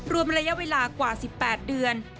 รวมระยะเวลากว่า๑๘เดือน